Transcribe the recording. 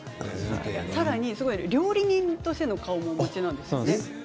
料理人としての顔もお持ちなんですよね。